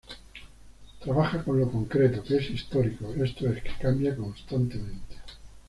Trabaja con lo concreto, que es histórico, esto es, que cambia constantemente".